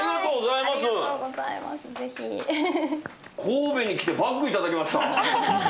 神戸に来てバッグをいただきました。